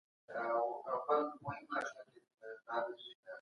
د وېښتو تویېدنه په ځینو خلکو ژر پېښېږي.